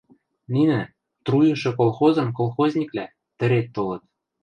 Нинӹ – «Труйышы» колхозын колхозниквлӓ – тӹред толыт.